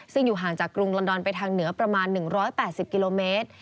ซึ่งอยู่ห่างจากกรุงลอนดอนไปทางเหนือประมาณ๑๘๐กิโลเมตร